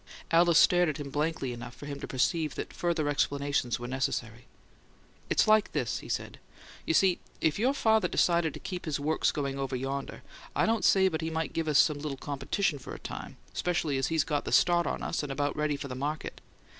Alice stared at him blankly enough for him to perceive that further explanations were necessary. "It's like this," he said. "You see, if your father decided to keep his works going over yonder, I don't say but he might give us some little competition for a time, 'specially as he's got the start on us and about ready for the market.